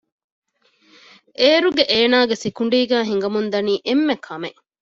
އޭރުގެ އޭނަގެ ސިކުޑީގައި ހިނގަމުންދަނީ އެންމެ ކަމެއް